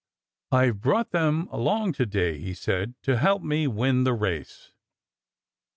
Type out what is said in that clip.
"I've brought them along to day," he said, "to help me win this race." X HA!